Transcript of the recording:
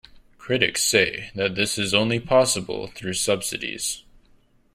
Critics say that this is only possible through subsidies.